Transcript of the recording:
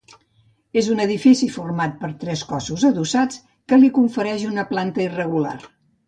És un edifici format per tres cossos adossats, que li confereixen una planta irregular.